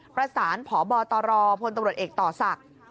ประสานพบตรพลตำรวจเอกต่อศักดิ์